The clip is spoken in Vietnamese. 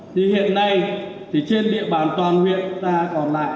thì hiện nay thì trên địa bàn toàn huyện ta còn lại